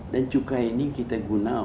dan cukai ini kita guna